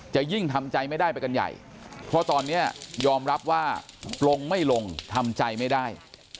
จะยิ่งทำใจไม่ได้ไปกันใหญ่เพราะตอนนี้ยอมรับว่าลงไม่ลงทำใจไม่ได้